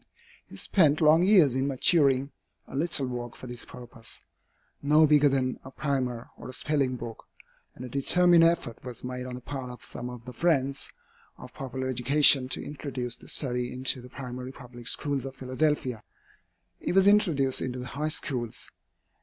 He spent long years in maturing a little work for this purpose, no bigger than a primer or a spelling book, and a determined effort was made on the part of some of the friends of popular education to introduce the study into the primary public schools of Philadelphia. It was introduced into the High Schools.